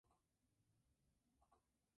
En Idaho la usa el valle del río Snake.